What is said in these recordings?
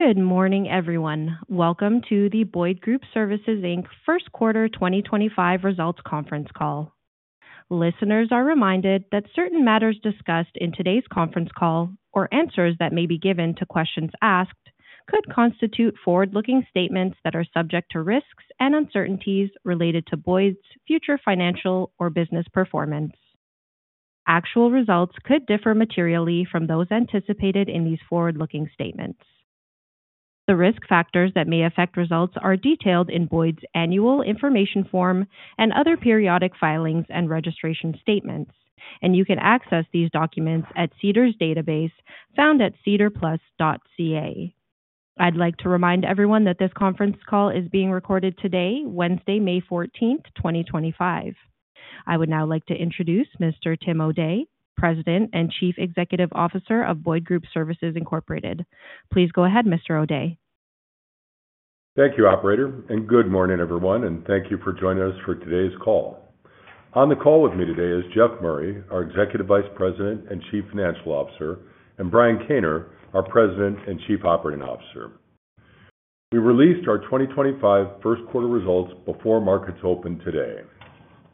Good morning, everyone. Welcome to the Boyd Group Services First Quarter 2025 Results Conference Call. Listeners are reminded that certain matters discussed in today's conference call, or answers that may be given to questions asked, could constitute forward-looking statements that are subject to risks and uncertainties related to Boyd's future financial or business performance. Actual results could differ materially from those anticipated in these forward-looking statements. The risk factors that may affect results are detailed in Boyd's annual information form and other periodic filings and registration statements, and you can access these documents at SEDAR's database found at SEDARplus.ca. I'd like to remind everyone that this conference call is being recorded today, Wednesday, May 14, 2025. I would now like to introduce Mr. Tim O'Day, President and Chief Executive Officer of Boyd Group Services. Please go ahead, Mr. O'Day. Thank you, Operator, and good morning, everyone, and thank you for joining us for today's call. On the call with me today is Jeff Murray, our Executive Vice President and Chief Financial Officer, and Brian Kaner, our President and Chief Operating Officer. We released our 2025 first quarter results before markets open today.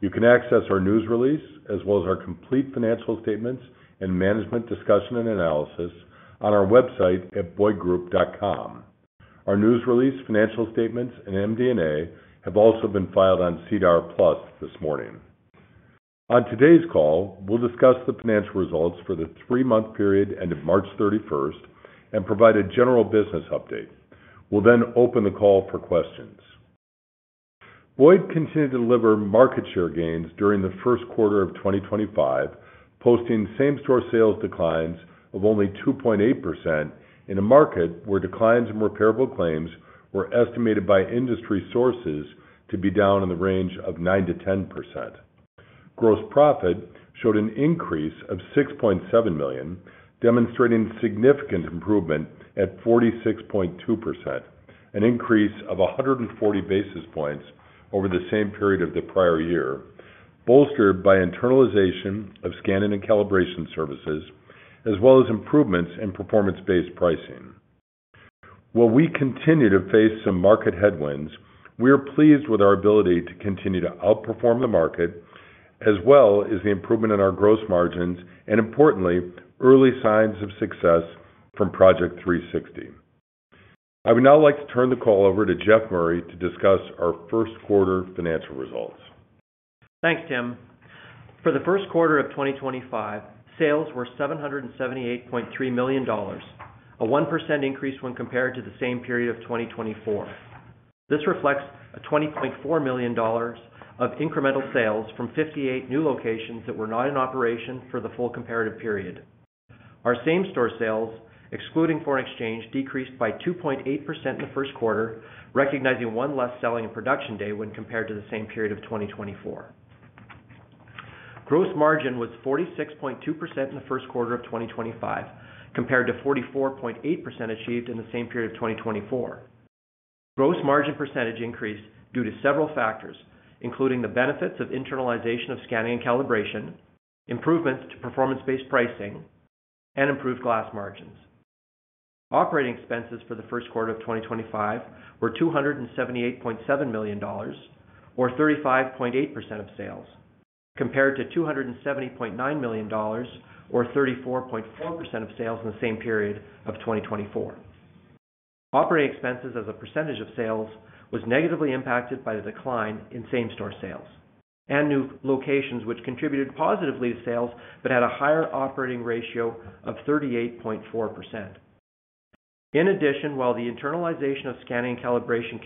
You can access our news release as well as our complete financial statements and management discussion and analysis on our website at boydgroup.com. Our news release, financial statements, and MD&A have also been filed on SEDAR+ this morning. On today's call, we'll discuss the financial results for the three-month period ended March 31 and provide a general business update. We'll then open the call for questions. Boyd continued to deliver market share gains during the first quarter of 2025, posting same-store sales declines of only 2.8% in a market where declines in repairable claims were estimated by industry sources to be down in the range of 9-10%. Gross profit showed an increase of 6.7 million, demonstrating significant improvement at 46.2%, an increase of 140 basis points over the same period of the prior year, bolstered by internalization of scanning and calibration services, as well as improvements in performance-based pricing. While we continue to face some market headwinds, we are pleased with our ability to continue to outperform the market, as well as the improvement in our gross margins and, importantly, early signs of success from Project 360. I would now like to turn the call over to Jeff Murray to discuss our first quarter financial results. Thanks, Tim. For the first quarter of 2025, sales were 778.3 million dollars, a 1% increase when compared to the same period of 2024. This reflects a 20.4 million dollars of incremental sales from 58 new locations that were not in operation for the full comparative period. Our same-store sales, excluding foreign exchange, decreased by 2.8% in the first quarter, recognizing one less selling in production day when compared to the same period of 2024. Gross margin was 46.2% in the first quarter of 2025, compared to 44.8% achieved in the same period of 2024. Gross margin percentage increased due to several factors, including the benefits of internalization of scanning and calibration, improvements to performance-based pricing, and improved glass margins. Operating expenses for the first quarter of 2025 were 278.7 million dollars, or 35.8% of sales, compared to 270.9 million dollars, or 34.4% of sales in the same period of 2024. Operating expenses, as a percentage of sales, were negatively impacted by the decline in same-store sales and new locations, which contributed positively to sales but had a higher operating ratio of 38.4%. In addition, while the internalization of scanning and calibration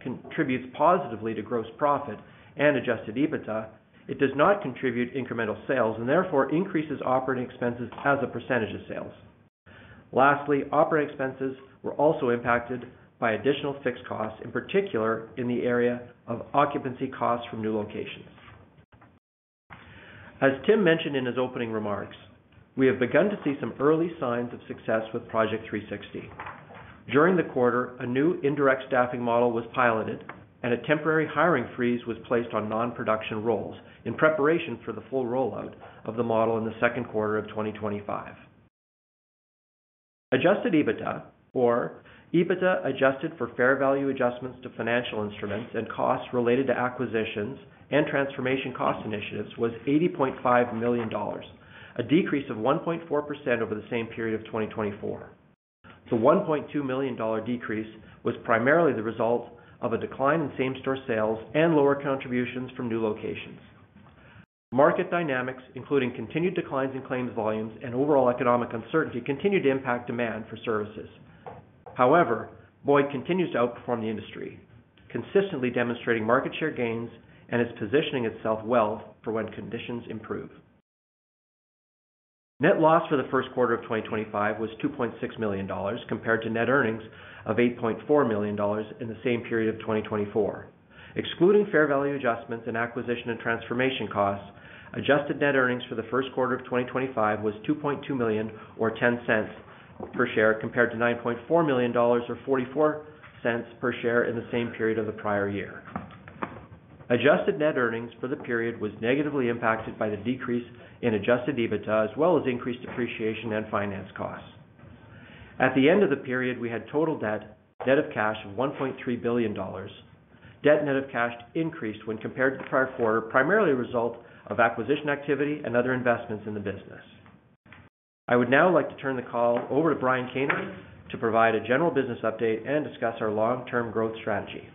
contributes positively to gross profit and adjusted EBITDA, it does not contribute incremental sales and therefore increases operating expenses as a percentage of sales. Lastly, operating expenses were also impacted by additional fixed costs, in particular in the area of occupancy costs from new locations. As Tim mentioned in his opening remarks, we have begun to see some early signs of success with Project 360. During the quarter, a new indirect staffing model was piloted, and a temporary hiring freeze was placed on non-production roles in preparation for the full rollout of the model in the second quarter of 2025. Adjusted EBITDA, or EBITDA adjusted for fair value adjustments to financial instruments and costs related to acquisitions and transformation cost initiatives, was 80.5 million dollars, a decrease of 1.4% over the same period of 2024. The 1.2 million dollar decrease was primarily the result of a decline in same-store sales and lower contributions from new locations. Market dynamics, including continued declines in claims volumes and overall economic uncertainty, continued to impact demand for services. However, Boyd continues to outperform the industry, consistently demonstrating market share gains and is positioning itself well for when conditions improve. Net loss for the first quarter of 2025 was 2.6 million dollars, compared to net earnings of 8.4 million dollars in the same period of 2024. Excluding fair value adjustments and acquisition and transformation costs, adjusted net earnings for the first quarter of 2025 was 2.2 million, or 0.10 per share, compared to 9.4 million dollars, or 0.44 per share in the same period of the prior year. Adjusted net earnings for the period were negatively impacted by the decrease in adjusted EBITDA, as well as increased depreciation and finance costs. At the end of the period, we had total net debt of 1.3 billion dollars. Debt net of cash increased when compared to the prior quarter, primarily a result of acquisition activity and other investments in the business. I would now like to turn the call over to Brian Kaner to provide a general business update and discuss our long-term growth strategy.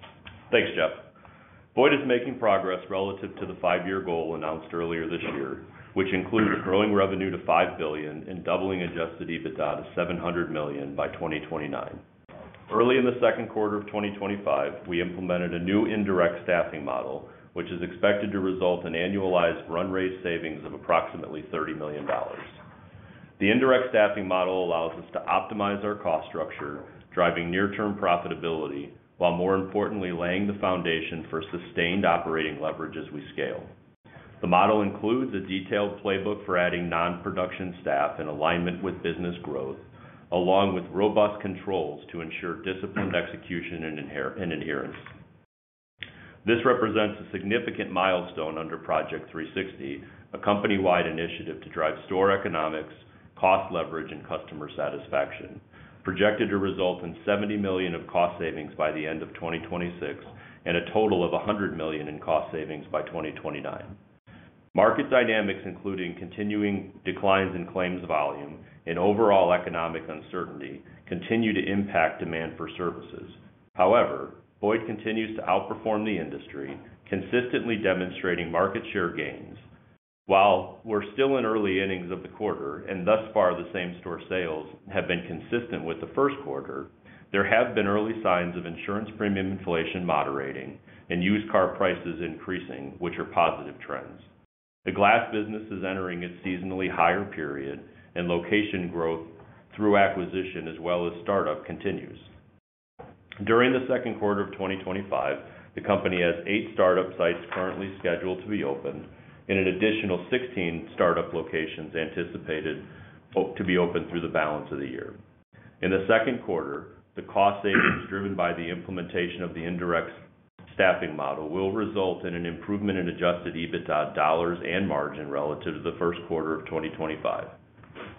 Thanks, Jeff. Boyd is making progress relative to the five-year goal announced earlier this year, which includes growing revenue to 5 billion and doubling adjusted EBITDA to 700 million by 2029. Early in the second quarter of 2025, we implemented a new indirect staffing model, which is expected to result in annualized run rate savings of approximately 30 million dollars. The indirect staffing model allows us to optimize our cost structure, driving near-term profitability, while more importantly, laying the foundation for sustained operating leverage as we scale. The model includes a detailed playbook for adding non-production staff in alignment with business growth, along with robust controls to ensure disciplined execution and adherence. This represents a significant milestone under Project 360, a company-wide initiative to drive store economics, cost leverage, and customer satisfaction, projected to result in 70 million of cost savings by the end of 2026 and a total of 100 million in cost savings by 2029. Market dynamics, including continuing declines in claims volume and overall economic uncertainty, continue to impact demand for services. However, Boyd continues to outperform the industry, consistently demonstrating market share gains. While we're still in early innings of the quarter and thus far the same-store sales have been consistent with the first quarter, there have been early signs of insurance premium inflation moderating and used car prices increasing, which are positive trends. The glass business is entering its seasonally higher period, and location growth through acquisition as well as startup continues. During the second quarter of 2025, the company has eight startup sites currently scheduled to be opened and an additional 16 startup locations anticipated to be opened through the balance of the year. In the second quarter, the cost savings driven by the implementation of the indirect staffing model will result in an improvement in adjusted EBITDA dollars and margin relative to the first quarter of 2025.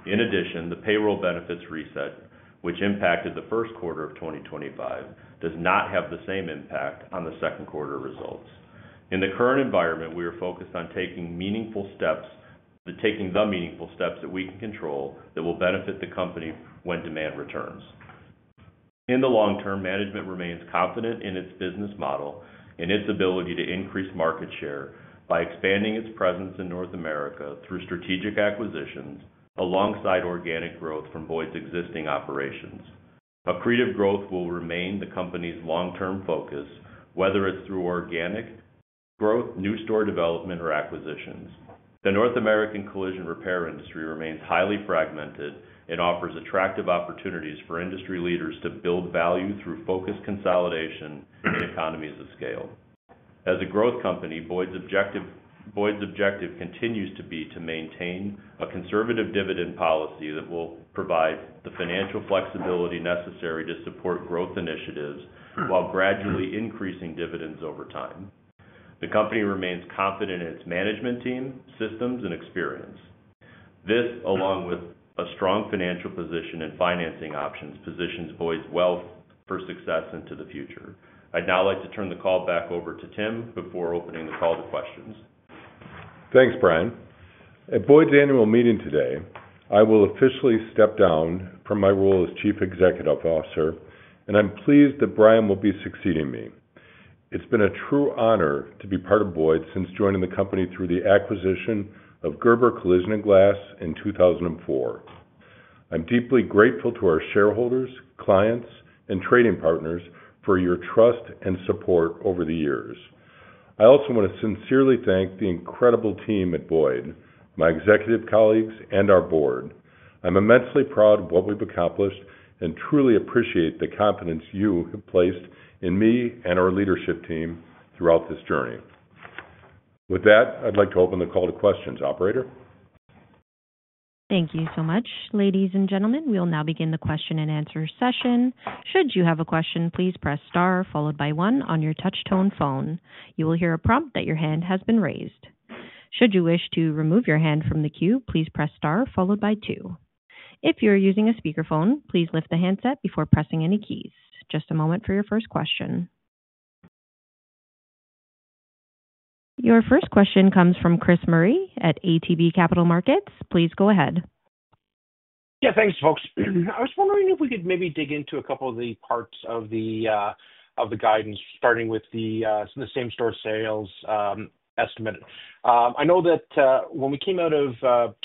In addition, the payroll benefits reset, which impacted the first quarter of 2025, does not have the same impact on the second quarter results. In the current environment, we are focused on taking meaningful steps, taking the meaningful steps that we can control that will benefit the company when demand returns. In the long term, management remains confident in its business model and its ability to increase market share by expanding its presence in North America through strategic acquisitions alongside organic growth from Boyd's existing operations. Accretive growth will remain the company's long-term focus, whether it's through organic growth, new store development, or acquisitions. The North American collision repair industry remains highly fragmented and offers attractive opportunities for industry leaders to build value through focused consolidation and economies of scale. As a growth company, Boyd's objective continues to be to maintain a conservative dividend policy that will provide the financial flexibility necessary to support growth initiatives while gradually increasing dividends over time. The company remains confident in its management team, systems, and experience. This, along with a strong financial position and financing options, positions Boyd well for success into the future. I'd now like to turn the call back over to Tim before opening the call to questions. Thanks, Brian. At Boyd's annual meeting today, I will officially step down from my role as Chief Executive Officer, and I'm pleased that Brian will be succeeding me. It's been a true honor to be part of Boyd since joining the company through the acquisition of Gerber Collision & Glass in 2004. I'm deeply grateful to our shareholders, clients, and trading partners for your trust and support over the years. I also want to sincerely thank the incredible team at Boyd, my executive colleagues, and our board. I'm immensely proud of what we've accomplished and truly appreciate the confidence you have placed in me and our leadership team throughout this journey. With that, I'd like to open the call to questions, Operator. Thank you so much, ladies and gentlemen. We will now begin the question and answer session. Should you have a question, please press star followed by one on your touch-tone phone. You will hear a prompt that your hand has been raised. Should you wish to remove your hand from the queue, please press star followed by two. If you're using a speakerphone, please lift the handset before pressing any keys. Just a moment for your first question. Your first question comes from Chris Murray at ATB Capital Markets. Please go ahead. Yeah, thanks, folks. I was wondering if we could maybe dig into a couple of the parts of the guidance, starting with the same-store sales estimate. I know that when we came out of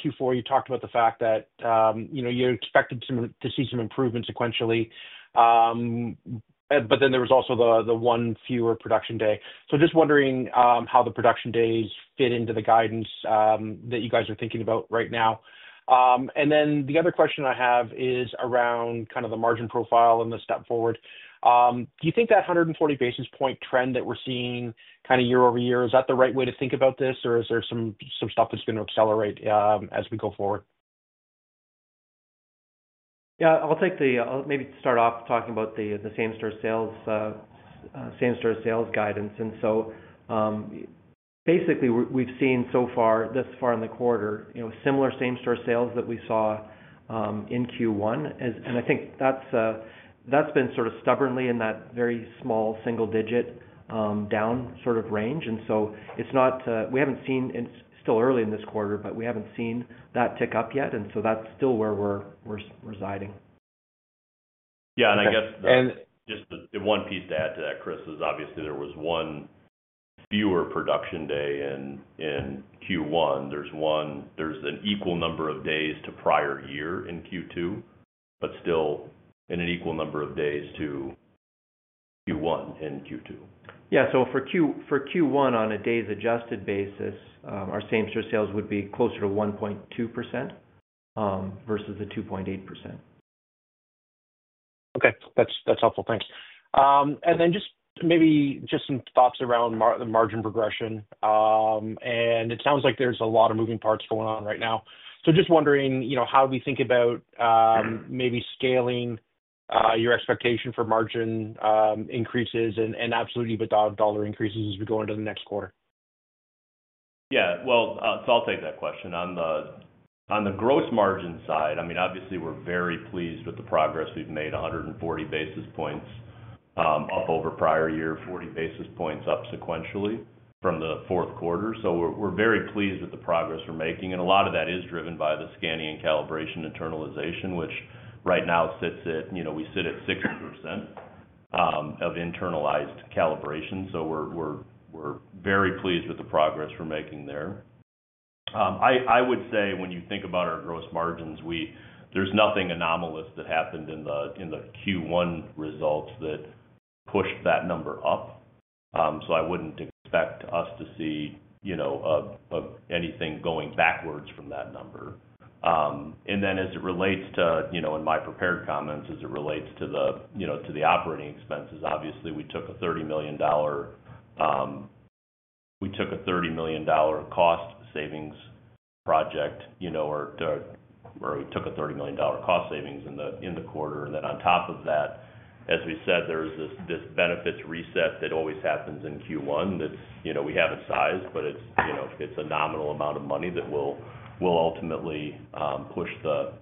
Q4, you talked about the fact that you expected to see some improvements sequentially, but then there was also the one fewer production day. Just wondering how the production days fit into the guidance that you guys are thinking about right now. The other question I have is around kind of the margin profile and the step forward. Do you think that 140 basis point trend that we're seeing kind of year over year, is that the right way to think about this, or is there some stuff that's going to accelerate as we go forward? Yeah, I'll maybe start off talking about the same-store sales guidance. Basically, we've seen so far, this far in the quarter, similar same-store sales that we saw in Q1. I think that's been sort of stubbornly in that very small single-digit down sort of range. It's not, we haven't seen, it's still early in this quarter, but we haven't seen that tick up yet. That's still where we're residing. Yeah, and I guess just one piece to add to that, Chris, is obviously there was one fewer production day in Q1. There is an equal number of days to prior year in Q2, but still an equal number of days to Q1 in Q2. Yeah, so for Q1, on a days-adjusted basis, our same-store sales would be closer to 1.2% versus the 2.8%. Okay, that's helpful. Thanks. Maybe just some thoughts around the margin progression. It sounds like there's a lot of moving parts going on right now. Just wondering, how do we think about maybe scaling your expectation for margin increases and absolute EBITDA dollar increases as we go into the next quarter? Yeah, I'll take that question. On the gross margin side, I mean, obviously, we're very pleased with the progress we've made, 140 basis points up over prior year, 40 basis points up sequentially from the fourth quarter. We're very pleased with the progress we're making. A lot of that is driven by the scanning and calibration internalization, which right now sits at 60% of internalized calibration. We're very pleased with the progress we're making there. I would say when you think about our gross margins, there's nothing anomalous that happened in the Q1 results that pushed that number up. I wouldn't expect us to see anything going backwards from that number. As it relates to my prepared comments, as it relates to the operating expenses, obviously, we took a 30 million dollar cost savings project or we took a 30 million dollar cost savings in the quarter. On top of that, as we said, there is this benefits reset that always happens in Q1 that we have not sized, but it is a nominal amount of money that will ultimately push the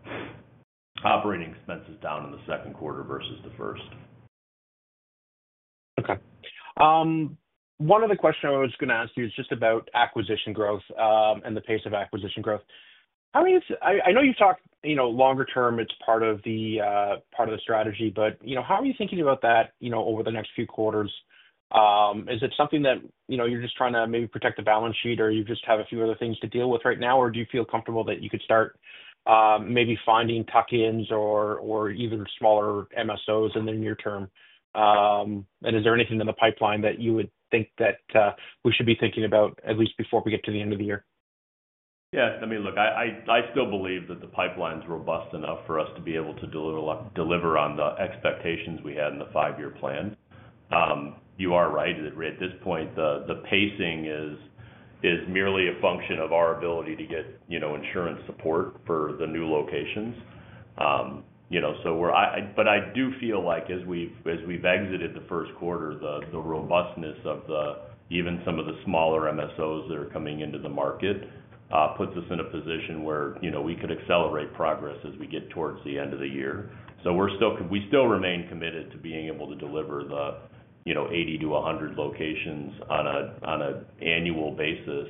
operating expenses down in the second quarter versus the first. Okay. One other question I was going to ask you is just about acquisition growth and the pace of acquisition growth. I know you've talked longer term, it's part of the strategy, but how are you thinking about that over the next few quarters? Is it something that you're just trying to maybe protect the balance sheet, or you just have a few other things to deal with right now, or do you feel comfortable that you could start maybe finding tuck-ins or even smaller MSOs in the near term? Is there anything in the pipeline that you would think that we should be thinking about, at least before we get to the end of the year? Yeah, I mean, look, I still believe that the pipeline's robust enough for us to be able to deliver on the expectations we had in the five-year plan. You are right that at this point, the pacing is merely a function of our ability to get insurance support for the new locations. I do feel like as we've exited the first quarter, the robustness of even some of the smaller MSOs that are coming into the market puts us in a position where we could accelerate progress as we get towards the end of the year. We still remain committed to being able to deliver the 80-100 locations on an annual basis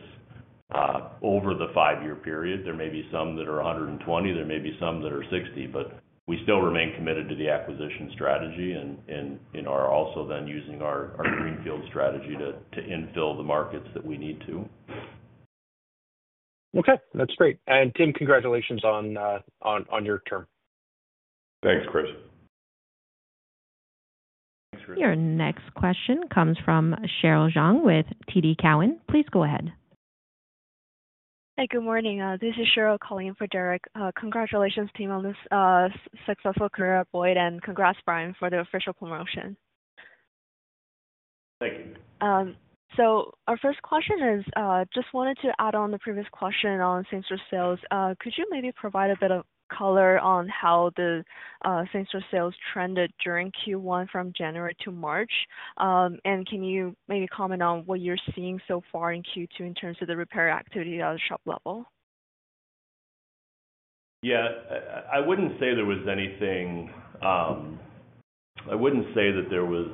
over the five-year period. There may be some that are 120. There may be some that are 60, but we still remain committed to the acquisition strategy and are also then using our greenfield strategy to infill the markets that we need to. Okay, that's great. Tim, congratulations on your term. Thanks, Chris. Thanks, Chris. Your next question comes from Cheryl Zhang with TD Cowen. Please go ahead. Hey, good morning. This is Cheryl calling in for Derek. Congratulations, Tim, on this successful career at Boyd, and congrats, Brian, for the official promotion. Thank you. Our first question is just wanted to add on the previous question on same-store sales. Could you maybe provide a bit of color on how the same-store sales trended during Q1 from January to March? Could you maybe comment on what you're seeing so far in Q2 in terms of the repair activity at the shop level? Yeah, I would not say there was anything, I would not say that there was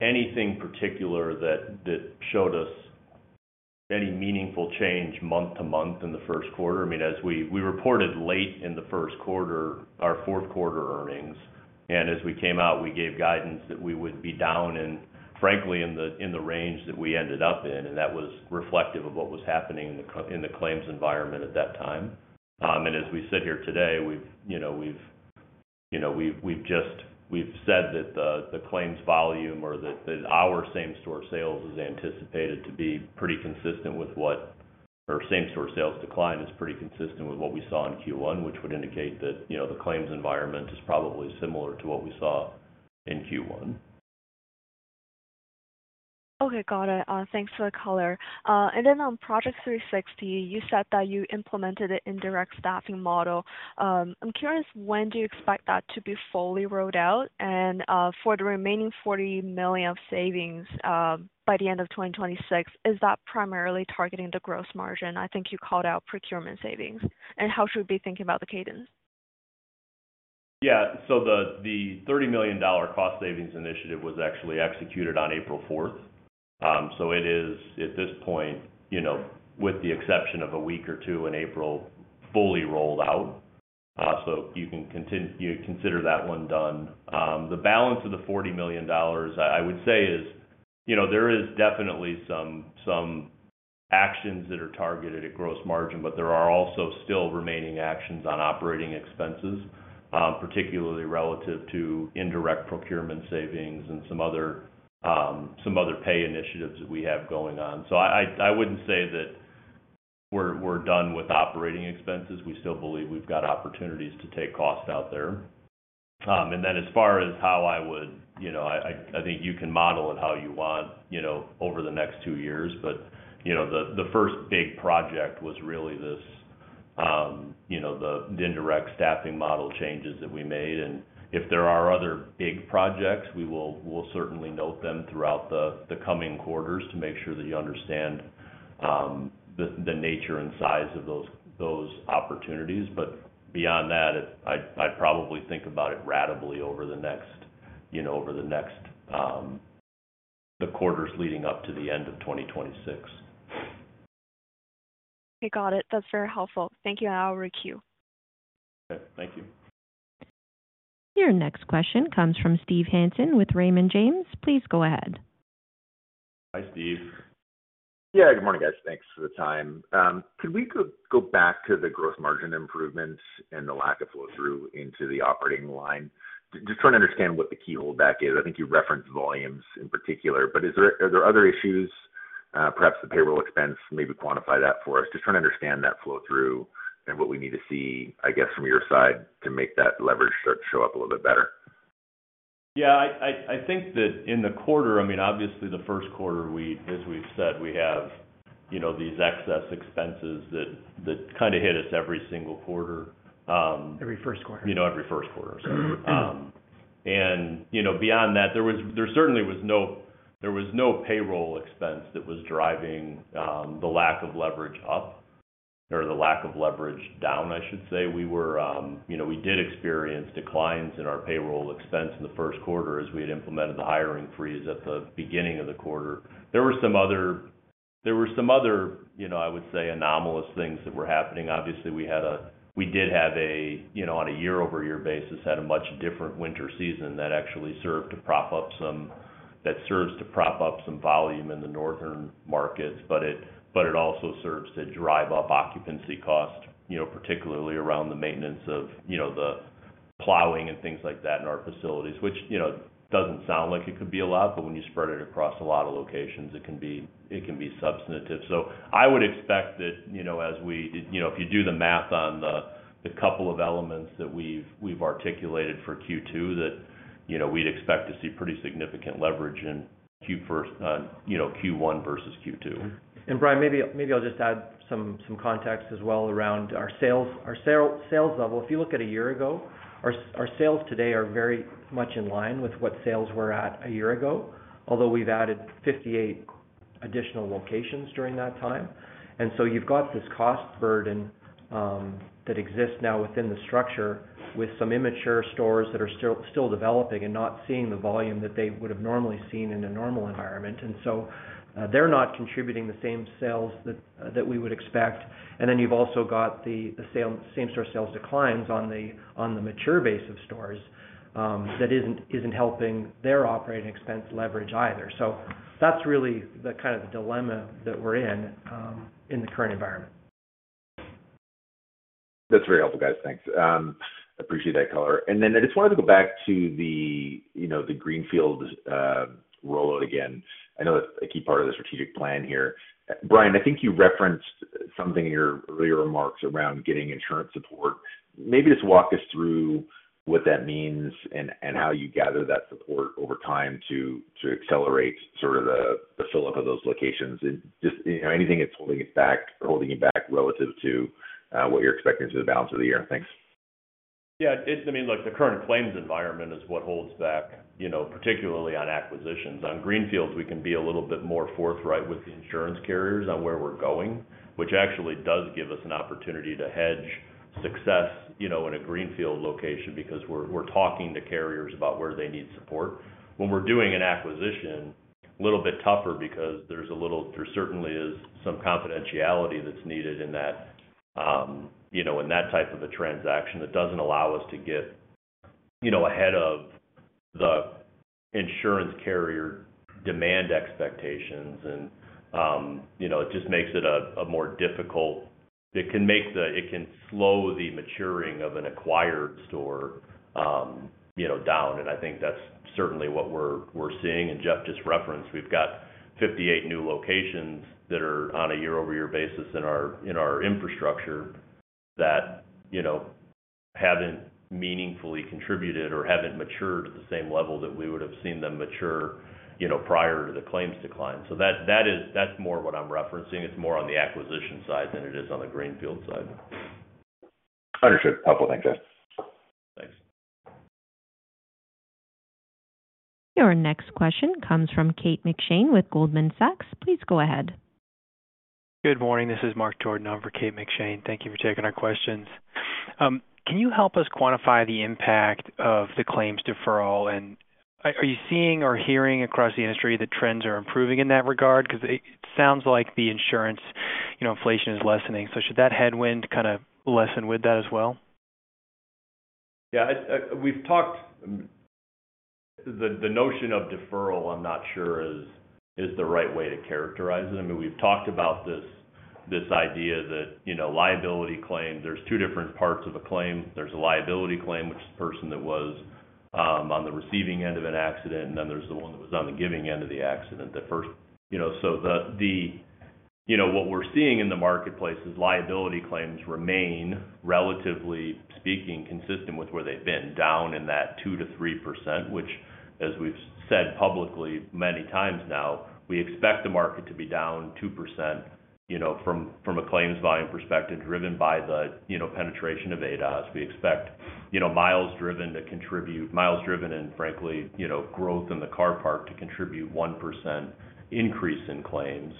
anything particular that showed us any meaningful change month to month in the first quarter. I mean, we reported late in the first quarter our fourth quarter earnings. I mean, as we came out, we gave guidance that we would be down in, frankly, in the range that we ended up in. That was reflective of what was happening in the claims environment at that time. As we sit here today, we have just said that the claims volume or that our same-store sales is anticipated to be pretty consistent with what our same-store sales decline is, pretty consistent with what we saw in Q1, which would indicate that the claims environment is probably similar to what we saw in Q1. Okay, got it. Thanks for the color. On Project 360, you said that you implemented an indirect staffing model. I'm curious, when do you expect that to be fully rolled out? For the remaining 40 million of savings by the end of 2026, is that primarily targeting the gross margin? I think you called out procurement savings. How should we be thinking about the cadence? Yeah, so the 30 million dollar cost savings initiative was actually executed on April 4. It is, at this point, with the exception of a week or two in April, fully rolled out. You can consider that one done. The balance of the 40 million dollars, I would say, is there are definitely some actions that are targeted at gross margin, but there are also still remaining actions on operating expenses, particularly relative to indirect procurement savings and some other pay initiatives that we have going on. I would not say that we are done with operating expenses. We still believe we have got opportunities to take cost out there. As far as how I would, I think you can model it how you want over the next two years. The first big project was really the indirect staffing model changes that we made. If there are other big projects, we will certainly note them throughout the coming quarters to make sure that you understand the nature and size of those opportunities. Beyond that, I'd probably think about it radically over the next the quarters leading up to the end of 2026. Okay, got it. That's very helpful. Thank you. I'll re-queue. Okay, thank you. Your next question comes from Steve Hansen with Raymond James. Please go ahead. Hi, Steve. Yeah, good morning, guys. Thanks for the time. Could we go back to the gross margin improvements and the lack of flow-through into the operating line? Just trying to understand what the key holdback is. I think you referenced volumes in particular, but are there other issues? Perhaps the payroll expense, maybe quantify that for us. Just trying to understand that flow-through and what we need to see, I guess, from your side to make that leverage start to show up a little bit better. Yeah, I think that in the quarter, I mean, obviously, the first quarter, as we've said, we have these excess expenses that kind of hit us every single quarter. Every first quarter. Every first quarter, so. Beyond that, there certainly was no payroll expense that was driving the lack of leverage up or the lack of leverage down, I should say. We did experience declines in our payroll expense in the first quarter as we had implemented the hiring freeze at the beginning of the quarter. There were some other, I would say, anomalous things that were happening. Obviously, we did have, on a year-over-year basis, a much different winter season that actually served to prop up some volume in the northern markets, but it also serves to drive up occupancy cost, particularly around the maintenance of the plowing and things like that in our facilities, which does not sound like it could be a lot, but when you spread it across a lot of locations, it can be substantive. I would expect that as we, if you do the math on the couple of elements that we've articulated for Q2, that we'd expect to see pretty significant leverage in Q1 versus Q2. Brian, maybe I'll just add some context as well around our sales level. If you look at a year ago, our sales today are very much in line with what sales were at a year ago, although we've added 58 additional locations during that time. You have this cost burden that exists now within the structure with some immature stores that are still developing and not seeing the volume that they would have normally seen in a normal environment. They are not contributing the same sales that we would expect. You have also got the same-store sales declines on the mature base of stores that is not helping their operating expense leverage either. That is really the kind of dilemma that we are in in the current environment. That's very helpful, guys. Thanks. I appreciate that color. I just wanted to go back to the greenfield rollout again. I know that's a key part of the strategic plan here. Brian, I think you referenced something in your earlier remarks around getting insurance support. Maybe just walk us through what that means and how you gather that support over time to accelerate sort of the fill-up of those locations. Just anything that's holding it back or holding you back relative to what you're expecting to the balance of the year. Thanks. Yeah, I mean, look, the current claims environment is what holds back, particularly on acquisitions. On greenfields, we can be a little bit more forthright with the insurance carriers on where we're going, which actually does give us an opportunity to hedge success in a greenfield location because we're talking to carriers about where they need support. When we're doing an acquisition, a little bit tougher because there certainly is some confidentiality that's needed in that type of a transaction that doesn't allow us to get ahead of the insurance carrier demand expectations. It just makes it a more difficult, it can slow the maturing of an acquired store down. I think that's certainly what we're seeing. Jeff just referenced, we've got 58 new locations that are on a year-over-year basis in our infrastructure that haven't meaningfully contributed or haven't matured at the same level that we would have seen them mature prior to the claims decline. That's more what I'm referencing. It's more on the acquisition side than it is on the greenfield side. Understood. Helpful. Thanks, guys. Thanks. Your next question comes from Kate McShane with Goldman Sachs. Please go ahead. Good morning. This is Mark Jordan over Kate McShane. Thank you for taking our questions. Can you help us quantify the impact of the claims deferral? Are you seeing or hearing across the industry that trends are improving in that regard? It sounds like the insurance inflation is lessening. Should that headwind kind of lessen with that as well? Yeah, we've talked the notion of deferral, I'm not sure is the right way to characterize it. I mean, we've talked about this idea that liability claims, there's two different parts of a claim. There's a liability claim, which is the person that was on the receiving end of an accident, and then there's the one that was on the giving end of the accident. The first, so what we're seeing in the marketplace is liability claims remain, relatively speaking, consistent with where they've been, down in that 2-3%, which, as we've said publicly many times now, we expect the market to be down 2% from a claims volume perspective driven by the penetration of ADAS. We expect miles driven to contribute, miles driven and, frankly, growth in the car park to contribute 1% increase in claims.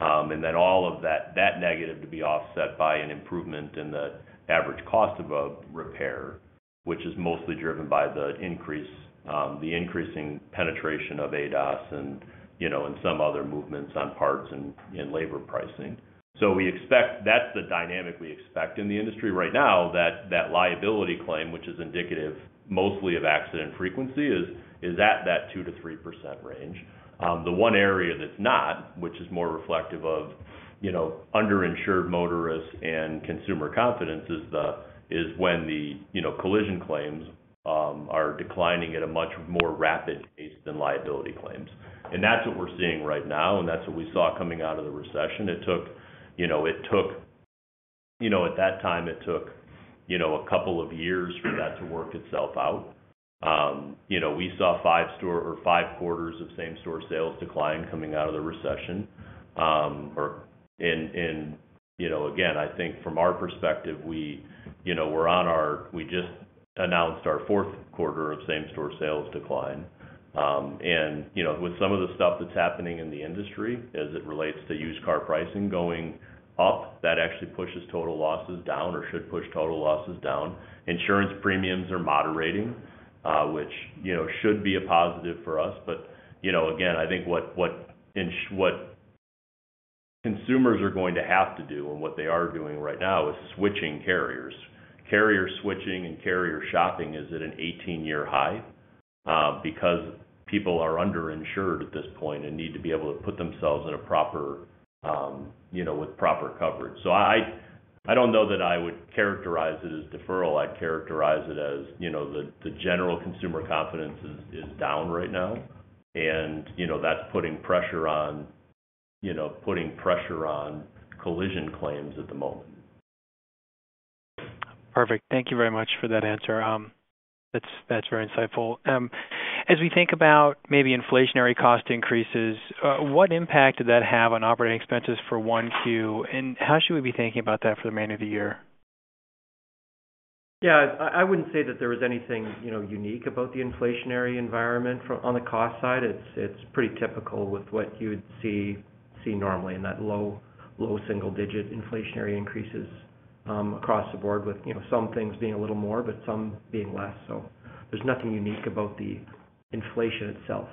All of that negative is to be offset by an improvement in the average cost of a repair, which is mostly driven by the increasing penetration of ADAS and some other movements on parts and labor pricing. We expect that is the dynamic we expect in the industry right now, that liability claim, which is indicative mostly of accident frequency, is at that 2-3% range. The one area that is not, which is more reflective of underinsured motorists and consumer confidence, is when the collision claims are declining at a much more rapid pace than liability claims. That is what we are seeing right now, and that is what we saw coming out of the recession. It took, at that time, it took a couple of years for that to work itself out. We saw five quarters of same-store sales decline coming out of the recession. I think from our perspective, we just announced our fourth quarter of same-store sales decline. With some of the stuff that is happening in the industry as it relates to used car pricing going up, that actually pushes total losses down or should push total losses down. Insurance premiums are moderating, which should be a positive for us. I think what consumers are going to have to do and what they are doing right now is switching carriers. Carrier switching and carrier shopping is at an 18-year high because people are underinsured at this point and need to be able to put themselves in a proper with proper coverage. I do not know that I would characterize it as deferral. I'd characterize it as the general consumer confidence is down right now. That's putting pressure on collision claims at the moment. Perfect. Thank you very much for that answer. That's very insightful. As we think about maybe inflationary cost increases, what impact did that have on operating expenses for Q1? And how should we be thinking about that for the remainder of the year? Yeah, I wouldn't say that there was anything unique about the inflationary environment on the cost side. It's pretty typical with what you'd see normally in that low single-digit inflationary increases across the board with some things being a little more but some being less. There's nothing unique about the inflation itself.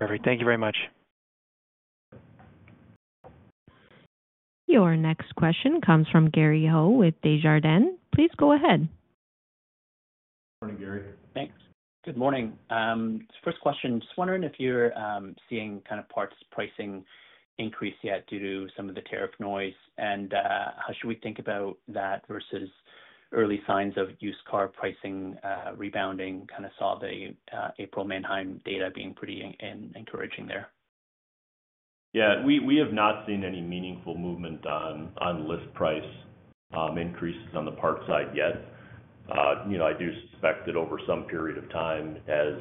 Perfect. Thank you very much. Your next question comes from Gary Ho with Desjardins. Please go ahead. Good morning, Gary. Thanks. Good morning. First question, just wondering if you're seeing kind of parts pricing increase yet due to some of the tariff noise. How should we think about that versus early signs of used car pricing rebounding? Kind of saw the April Manheim data being pretty encouraging there. Yeah, we have not seen any meaningful movement on list price increases on the parts side yet. I do suspect that over some period of time, as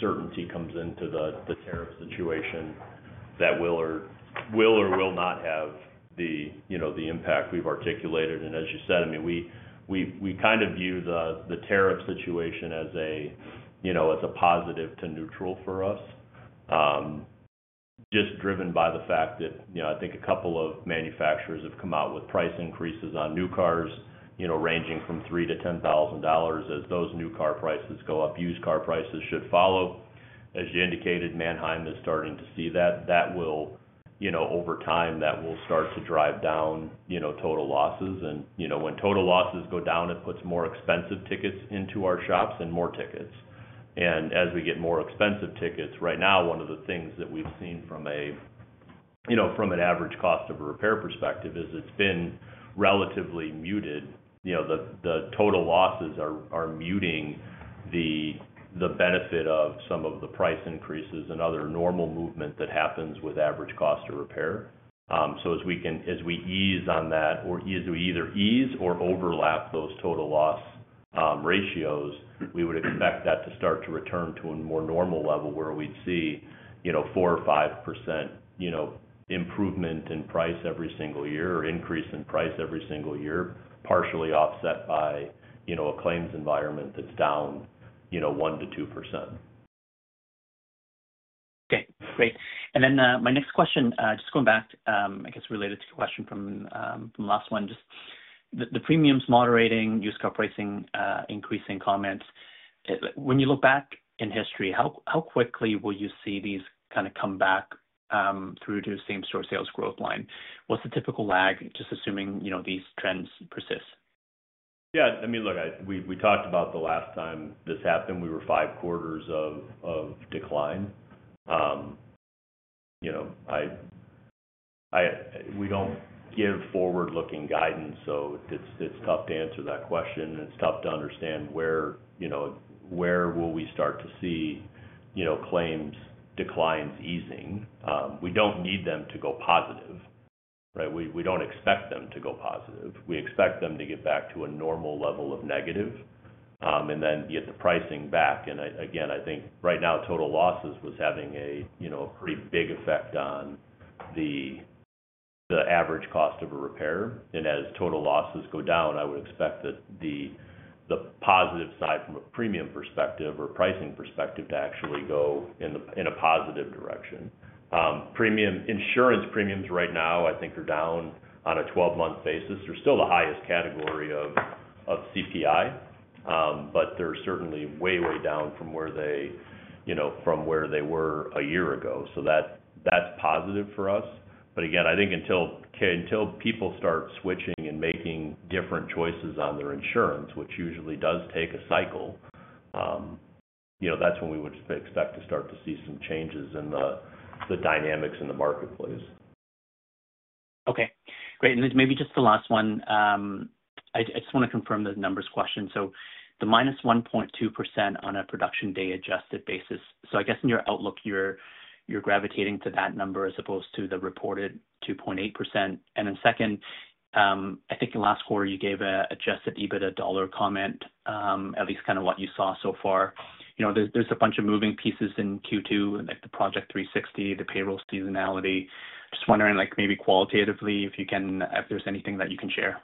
certainty comes into the tariff situation, that will or will not have the impact we've articulated. As you said, I mean, we kind of view the tariff situation as a positive to neutral for us, just driven by the fact that I think a couple of manufacturers have come out with price increases on new cars ranging from 3,000-10,000 dollars as those new car prices go up. Used car prices should follow. As you indicated, Manheim is starting to see that. That will, over time, start to drive down total losses. When total losses go down, it puts more expensive tickets into our shops and more tickets. As we get more expensive tickets, right now, one of the things that we've seen from an average cost of a repair perspective is it's been relatively muted. The total losses are muting the benefit of some of the price increases and other normal movement that happens with average cost of repair. As we ease on that, or as we either ease or overlap those total loss ratios, we would expect that to start to return to a more normal level where we'd see 4-5% improvement in price every single year or increase in price every single year, partially offset by a claims environment that's down 1-2%. Okay. Great. My next question, just going back, I guess related to the question from the last one, just the premiums moderating, used car pricing increasing comments. When you look back in history, how quickly will you see these kind of come back through to same-store sales growth line? What's the typical lag, just assuming these trends persist? Yeah. I mean, look, we talked about the last time this happened. We were five quarters of decline. We do not give forward-looking guidance, so it is tough to answer that question. It is tough to understand where will we start to see claims declines easing. We do not need them to go positive, right? We do not expect them to go positive. We expect them to get back to a normal level of negative and then get the pricing back. Again, I think right now, total losses was having a pretty big effect on the average cost of a repair. As total losses go down, I would expect that the positive side from a premium perspective or pricing perspective to actually go in a positive direction. Insurance premiums right now, I think, are down on a 12-month basis. They're still the highest category of CPI, but they're certainly way, way down from where they were a year ago. That's positive for us. Again, I think until people start switching and making different choices on their insurance, which usually does take a cycle, that's when we would expect to start to see some changes in the dynamics in the marketplace. Okay. Great. Maybe just the last one. I just want to confirm the numbers question. The minus 1.2% on a production day adjusted basis. I guess in your outlook, you're gravitating to that number as opposed to the reported 2.8%. Second, I think last quarter you gave an adjusted EBITDA dollar comment, at least kind of what you saw so far. There's a bunch of moving pieces in Q2, like the Project 360, the payroll seasonality. Just wondering maybe qualitatively if you can, if there's anything that you can share.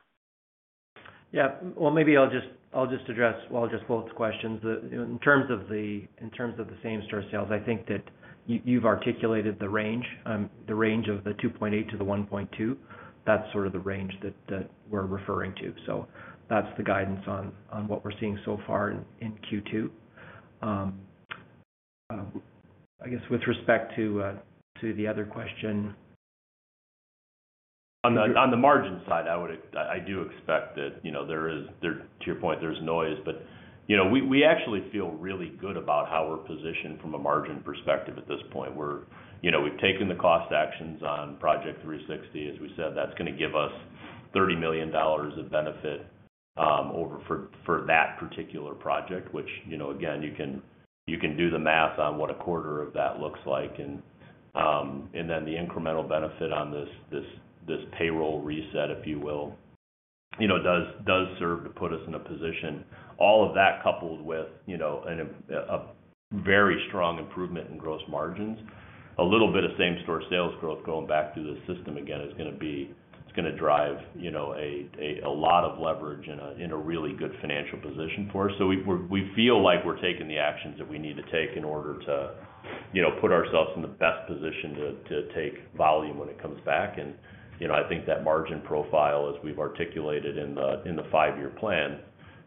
Yeah. Maybe I'll just address, I'll just, both questions. In terms of the same-store sales, I think that you've articulated the range of the 2.8-1.2. That's sort of the range that we're referring to. That's the guidance on what we're seeing so far in Q2. I guess with respect to the other question. On the margin side, I do expect that there is, to your point, there's noise. We actually feel really good about how we're positioned from a margin perspective at this point. We've taken the cost actions on Project 360. As we said, that's going to give us 30 million dollars of benefit over for that particular project, which, again, you can do the math on what a quarter of that looks like. The incremental benefit on this payroll reset, if you will, does serve to put us in a position. All of that, coupled with a very strong improvement in gross margins, a little bit of same-store sales growth going back through the system again, is going to drive a lot of leverage in a really good financial position for us. We feel like we're taking the actions that we need to take in order to put ourselves in the best position to take volume when it comes back. I think that margin profile, as we've articulated in the five-year plan,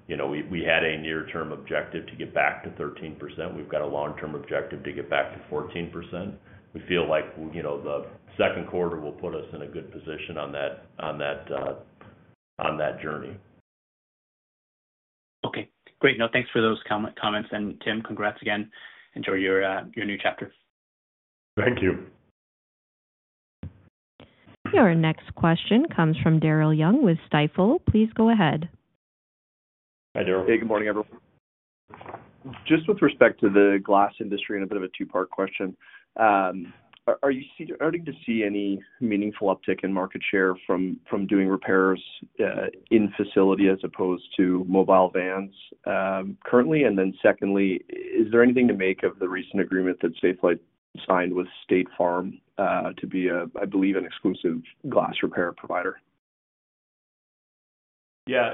we had a near-term objective to get back to 13%. We've got a long-term objective to get back to 14%. We feel like the second quarter will put us in a good position on that journey. Okay. Great. No, thanks for those comments. Tim, congrats again. Enjoy your new chapter. Thank you. Your next question comes from Daryl Young with Stifel. Please go ahead. Hi, Darryl. Hey, good morning, everyone. Just with respect to the glass industry and a bit of a two-part question, are you starting to see any meaningful uptick in market share from doing repairs in facility as opposed to mobile vans currently? Secondly, is there anything to make of the recent agreement that Stifel signed with State Farm to be, I believe, an exclusive glass repair provider? Yeah.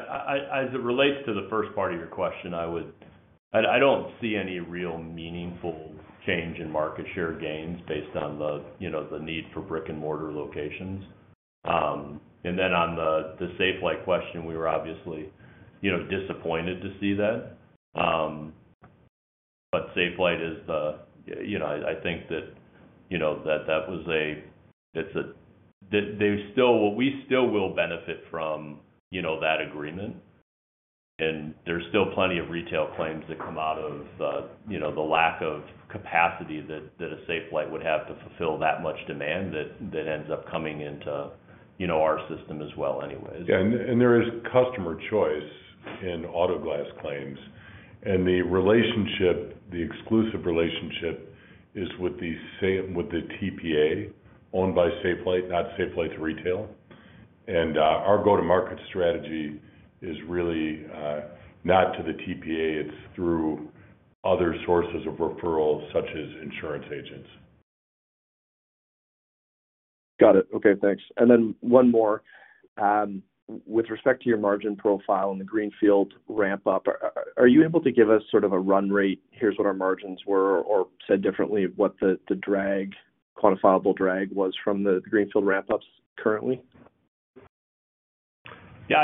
As it relates to the first part of your question, I don't see any real meaningful change in market share gains based on the need for brick-and-mortar locations. On the Stifel question, we were obviously disappointed to see that. Stifel is the, I think that was a, it's a, we still will benefit from that agreement. There are still plenty of retail claims that come out of the lack of capacity that a Stifel would have to fulfill that much demand that ends up coming into our system as well anyways. Yeah. There is customer choice in auto glass claims. The relationship, the exclusive relationship, is with the TPA owned by Safelite, not Safelite's retail. Our go-to-market strategy is really not to the TPA. It is through other sources of referral, such as insurance agents. Got it. Okay. Thanks. One more. With respect to your margin profile and the Greenfield ramp-up, are you able to give us sort of a run rate, "Here's what our margins were," or said differently, what the quantifiable drag was from the Greenfield ramp-ups currently? Yeah.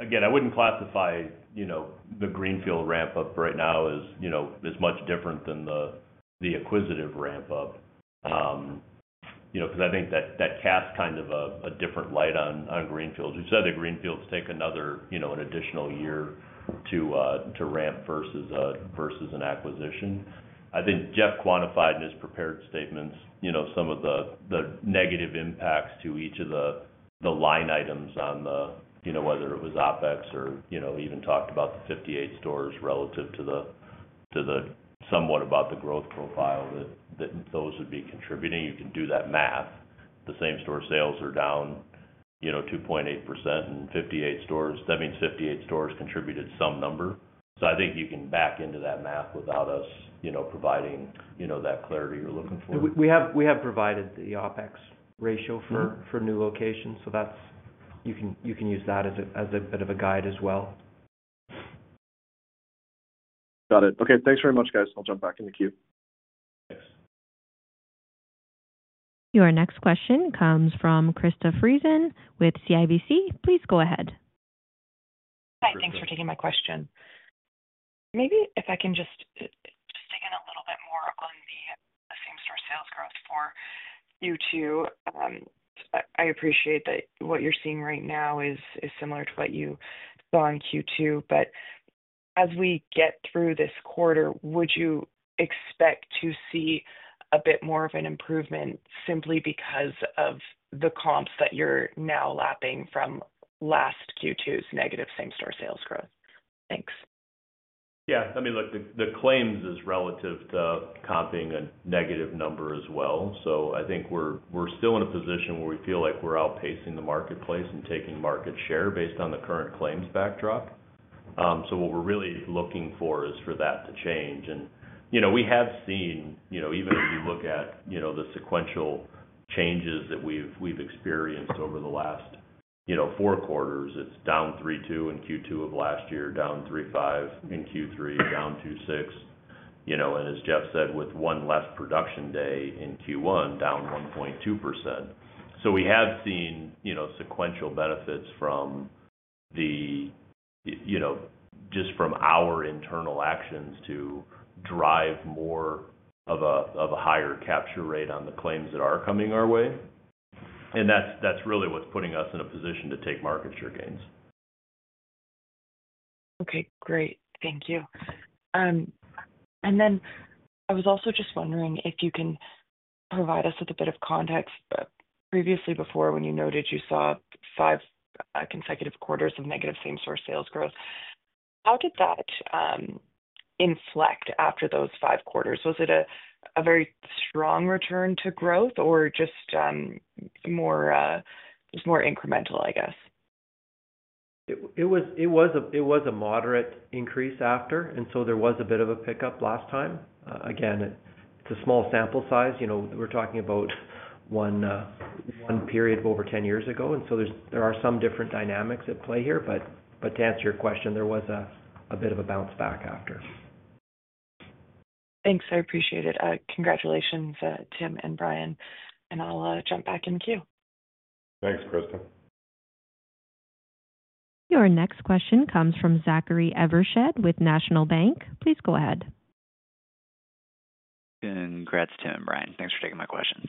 Again, I wouldn't classify the Greenfield ramp-up right now as much different than the acquisitive ramp-up because I think that casts kind of a different light on Greenfield. You said that Greenfields take another an additional year to ramp versus an acquisition. I think Jeff quantified in his prepared statements some of the negative impacts to each of the line items on the, whether it was OpEx or even talked about the 58 stores relative to the somewhat about the growth profile that those would be contributing. You can do that math. The same-store sales are down 2.8% in 58 stores. That means 58 stores contributed some number. I think you can back into that math without us providing that clarity you're looking for. We have provided the OpEx ratio for new locations. You can use that as a bit of a guide as well. Got it. Okay. Thanks very much, guys. I'll jump back in the queue. Thanks. Your next question comes from Krista Friesen with CIBC. Please go ahead. Hi. Thanks for taking my question. Maybe if I can just dig in a little bit more on the same-store sales growth for Q2. I appreciate that what you're seeing right now is similar to what you saw in Q2. As we get through this quarter, would you expect to see a bit more of an improvement simply because of the comps that you're now lapping from last Q2's negative same-store sales growth? Thanks. Yeah. I mean, look, the claims is relative to comping a negative number as well. I think we're still in a position where we feel like we're outpacing the marketplace and taking market share based on the current claims backdrop. What we're really looking for is for that to change. We have seen, even if you look at the sequential changes that we've experienced over the last four quarters, it's down 3.2% in Q2 of last year, down 3.5% in Q3, down 2.6%. As Jeff said, with one less production day in Q1, down 1.2%. We have seen sequential benefits just from our internal actions to drive more of a higher capture rate on the claims that are coming our way. That's really what's putting us in a position to take market share gains. Okay. Great. Thank you. I was also just wondering if you can provide us with a bit of context. Previously, before when you noted you saw five consecutive quarters of negative same-store sales growth, how did that inflect after those five quarters? Was it a very strong return to growth or just more incremental, I guess? It was a moderate increase after. There was a bit of a pickup last time. Again, it's a small sample size. We're talking about one period of over 10 years ago. There are some different dynamics at play here. To answer your question, there was a bit of a bounce back after. Thanks. I appreciate it. Congratulations, Tim and Brian. I'll jump back in the queue. Thanks, Krista. Your next question comes from Zachary Evershed with National Bank. Please go ahead. Congrats, Tim and Brian. Thanks for taking my questions.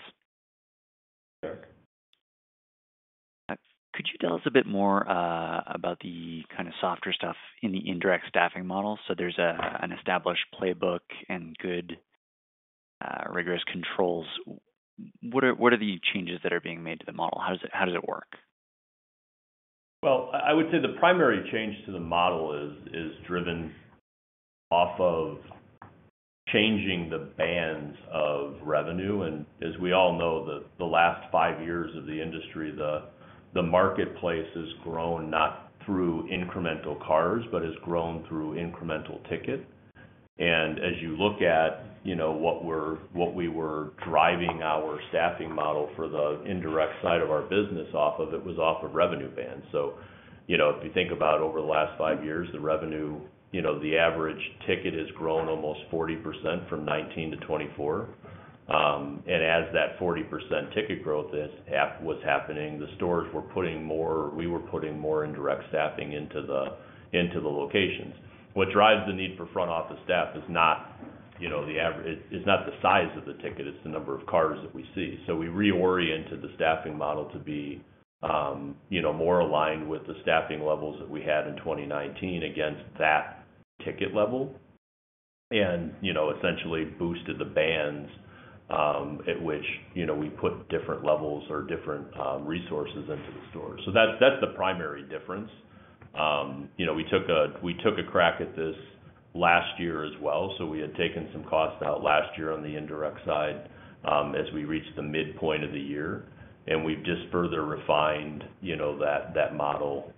Sure. Could you tell us a bit more about the kind of softer stuff in the indirect staffing model? There is an established playbook and good rigorous controls. What are the changes that are being made to the model? How does it work? I would say the primary change to the model is driven off of changing the bands of revenue. As we all know, the last five years of the industry, the marketplace has grown not through incremental cars, but has grown through incremental ticket. As you look at what we were driving our staffing model for the indirect side of our business off of, it was off of revenue bands. If you think about over the last five years, the revenue, the average ticket has grown almost 40% from 2019 to 2024. As that 40% ticket growth was happening, the stores were putting more, we were putting more indirect staffing into the locations. What drives the need for front office staff is not the, it's not the size of the ticket. It's the number of cars that we see. We reoriented the staffing model to be more aligned with the staffing levels that we had in 2019 against that ticket level and essentially boosted the bands at which we put different levels or different resources into the stores. That's the primary difference. We took a crack at this last year as well. We had taken some costs out last year on the indirect side as we reached the midpoint of the year. We've just further refined that model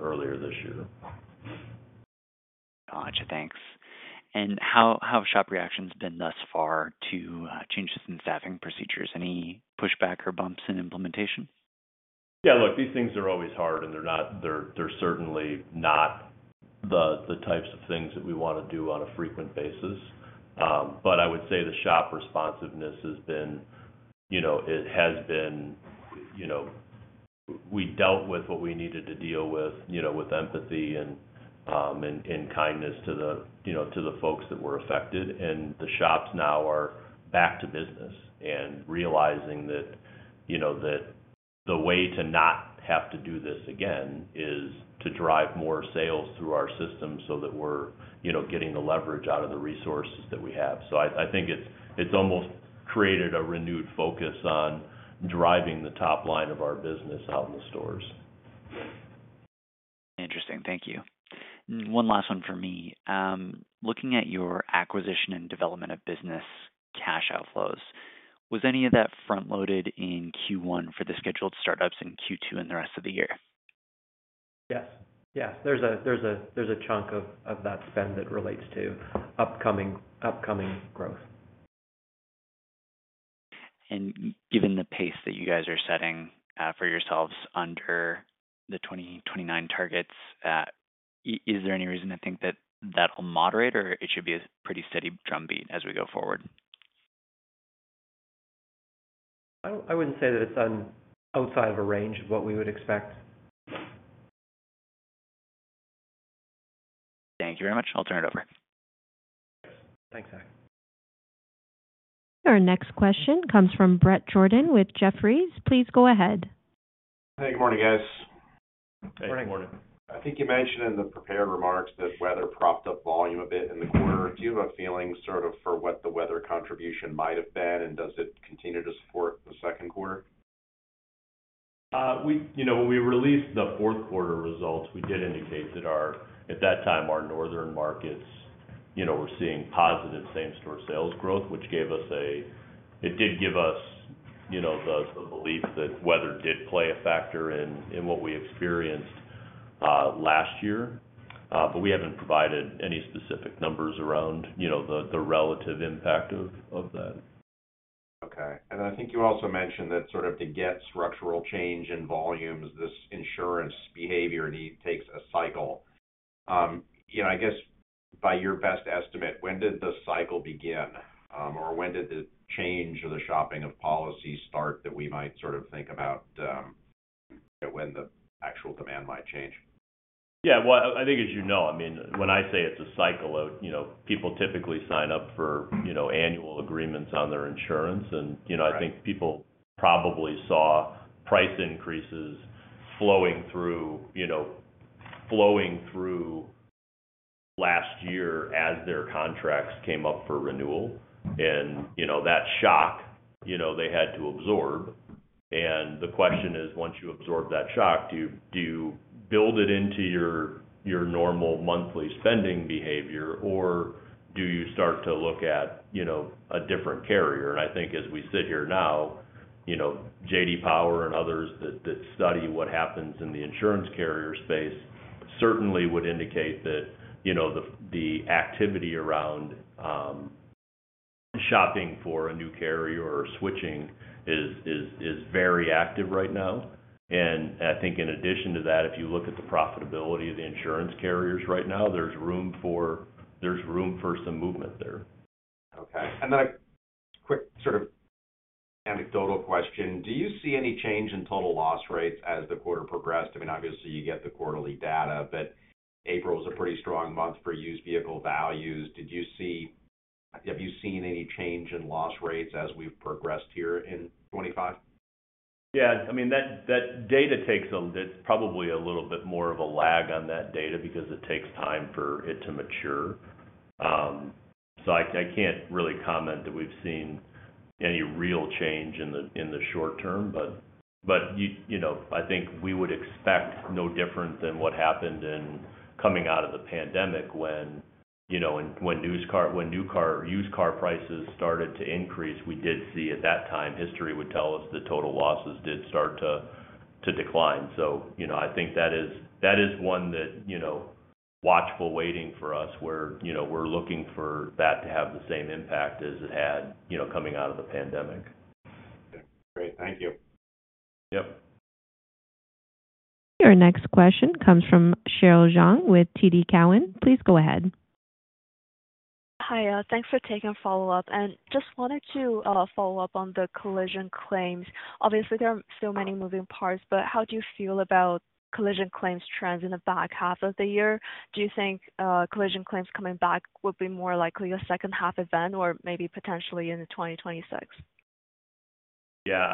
earlier this year. Gotcha. Thanks. How have shop reactions been thus far to changes in staffing procedures? Any pushback or bumps in implementation? Yeah. Look, these things are always hard. They're certainly not the types of things that we want to do on a frequent basis. I would say the shop responsiveness has been, it has been, we dealt with what we needed to deal with with empathy and kindness to the folks that were affected. The shops now are back to business and realizing that the way to not have to do this again is to drive more sales through our system so that we're getting the leverage out of the resources that we have. I think it's almost created a renewed focus on driving the top line of our business out in the stores. Interesting. Thank you. One last one for me. Looking at your acquisition and development of business cash outflows, was any of that front-loaded in Q1 for the scheduled startups and Q2 in the rest of the year? Yes. Yes. There's a chunk of that spend that relates to upcoming growth. Given the pace that you guys are setting for yourselves under the 2029 targets, is there any reason to think that that'll moderate or it should be a pretty steady drumbeat as we go forward? I wouldn't say that it's outside of a range of what we would expect. Thank you very much. I'll turn it over. Thanks, Zack. Your next question comes from Brett Jordan with Jefferies. Please go ahead. Hey. Good morning, guys. Good morning. I think you mentioned in the prepared remarks that weather propped up volume a bit in the quarter. Do you have a feeling sort of for what the weather contribution might have been and does it continue to support the second quarter? When we released the fourth quarter results, we did indicate that at that time, our northern markets were seeing positive same-store sales growth, which gave us a, it did give us the belief that weather did play a factor in what we experienced last year. We haven't provided any specific numbers around the relative impact of that. Okay. I think you also mentioned that sort of to get structural change in volumes, this insurance behavior takes a cycle. I guess by your best estimate, when did the cycle begin or when did the change of the shopping of policies start that we might sort of think about when the actual demand might change? Yeah. I think as you know, I mean, when I say it's a cycle, people typically sign up for annual agreements on their insurance. I think people probably saw price increases flowing through last year as their contracts came up for renewal. That shock, they had to absorb. The question is, once you absorb that shock, do you build it into your normal monthly spending behavior or do you start to look at a different carrier? I think as we sit here now, J.D. Power and others that study what happens in the insurance carrier space certainly would indicate that the activity around shopping for a new carrier or switching is very active right now. I think in addition to that, if you look at the profitability of the insurance carriers right now, there's room for some movement there. Okay. And then a quick sort of anecdotal question. Do you see any change in total loss rates as the quarter progressed? I mean, obviously, you get the quarterly data, but April was a pretty strong month for used vehicle values. Did you see, have you seen any change in loss rates as we've progressed here in 2025? Yeah. I mean, that data takes a, it's probably a little bit more of a lag on that data because it takes time for it to mature. I can't really comment that we've seen any real change in the short term. I think we would expect no different than what happened coming out of the pandemic when new car or used car prices started to increase. We did see at that time, history would tell us the total losses did start to decline. I think that is one that, watchful waiting for us, where we're looking for that to have the same impact as it had coming out of the pandemic. Okay. Great. Thank you. Yep. Your next question comes from Sheryl Zhang with TD Cowen. Please go ahead. Hi. Thanks for taking a follow-up. Just wanted to follow up on the collision claims. Obviously, there are so many moving parts, but how do you feel about collision claims trends in the back half of the year? Do you think collision claims coming back would be more likely a second-half event or maybe potentially in 2026? Yeah.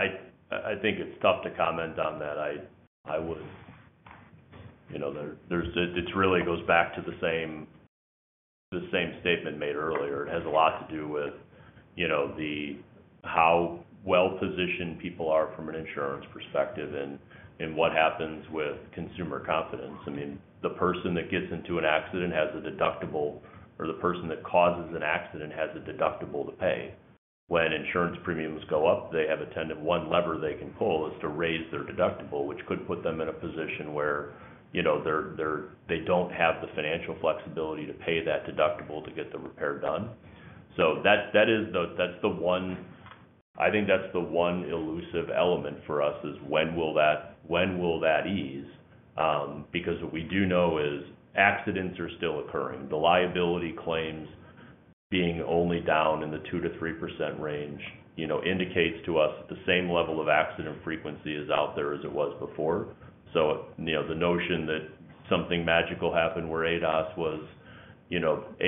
I think it's tough to comment on that. I would, it really goes back to the same statement made earlier. It has a lot to do with how well-positioned people are from an insurance perspective and what happens with consumer confidence. I mean, the person that gets into an accident has a deductible or the person that causes an accident has a deductible to pay. When insurance premiums go up, they have a, one lever they can pull is to raise their deductible, which could put them in a position where they don't have the financial flexibility to pay that deductible to get the repair done. That is the one, I think that's the one elusive element for us is when will that ease? Because what we do know is accidents are still occurring. The liability claims being only down in the 2-3% range indicates to us that the same level of accident frequency is out there as it was before. The notion that something magical happened where ADAS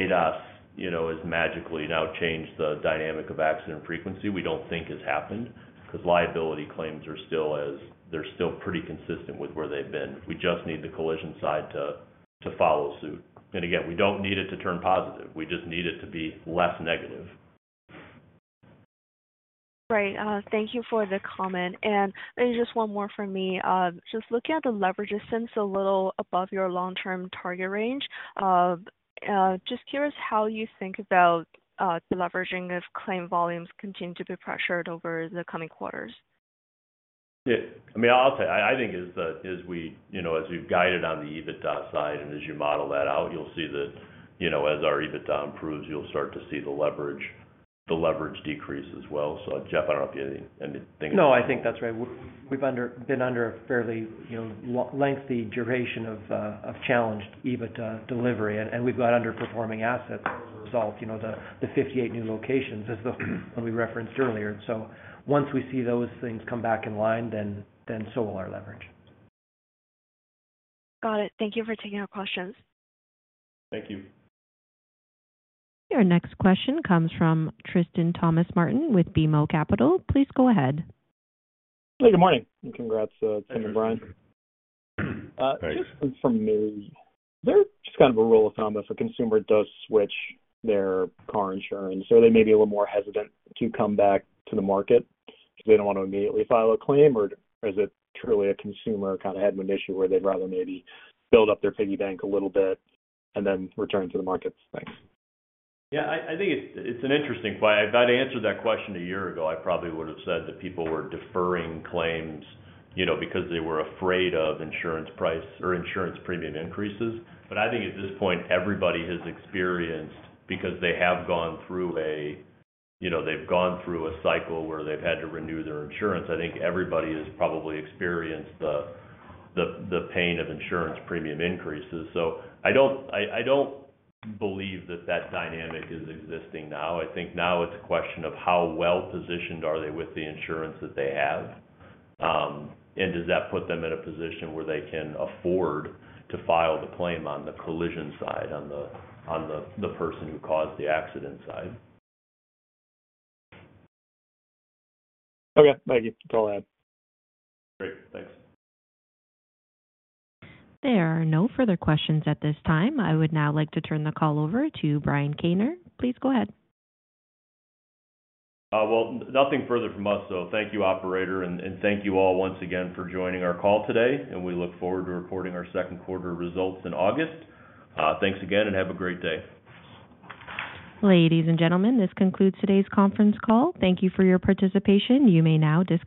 has magically now changed the dynamic of accident frequency, we do not think has happened because liability claims are still pretty consistent with where they have been. We just need the collision side to follow suit. Again, we do not need it to turn positive. We just need it to be less negative. Right. Thank you for the comment. Just one more for me. Just looking at the leverage that seems a little above your long-term target range, just curious how you think about the leveraging if claim volumes continue to be pressured over the coming quarters. Yeah. I mean, I'll say I think as we as you've guided on the EBITDA side and as you model that out, you'll see that as our EBITDA improves, you'll start to see the leverage decrease as well. So Jeff, I don't know if you have anything to add. No, I think that's right. We've been under a fairly lengthy duration of challenged EBITDA delivery. We've got underperforming assets. Result, the 58 new locations is the one we referenced earlier. Once we see those things come back in line, then so will our leverage. Got it. Thank you for taking our questions. Thank you. Your next question comes from Tristan Thomas Martin with BMO Capital Markets. Please go ahead. Hey. Good morning. Congrats, Tim and Brian. Just from me, is there just kind of a rule of thumb if a consumer does switch their car insurance, are they maybe a little more hesitant to come back to the market because they do not want to immediately file a claim? Or is it truly a consumer kind of had an issue where they would rather maybe build up their piggy bank a little bit and then return to the market? Thanks. Yeah. I think it's an interesting point. If I'd answered that question a year ago, I probably would have said that people were deferring claims because they were afraid of insurance price or insurance premium increases. I think at this point, everybody has experienced because they have gone through a cycle where they've had to renew their insurance. I think everybody has probably experienced the pain of insurance premium increases. I don't believe that that dynamic is existing now. I think now it's a question of how well-positioned are they with the insurance that they have? Does that put them in a position where they can afford to file the claim on the collision side, on the person who caused the accident side? Okay. Thank you for all that. Great. Thanks. There are no further questions at this time. I would now like to turn the call over to Brian Kaner. Please go ahead. Nothing further from us, though. Thank you, operator. Thank you all once again for joining our call today. We look forward to reporting our second quarter results in August. Thanks again and have a great day. Ladies and gentlemen, this concludes today's conference call. Thank you for your participation. You may now disconnect.